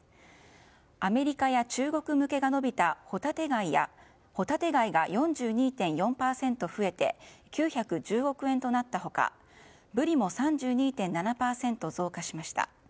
アメリカや中国向けが伸びたホタテガイが４２．４％増えて９１０億円となった他ブリも３２．７％増加しました。